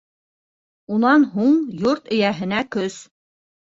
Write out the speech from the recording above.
Унан һуң йорт эйәһенә көс.